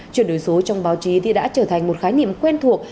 chuyển đổi số trong báo chí thì đã trở thành một khái niệm quen thuộc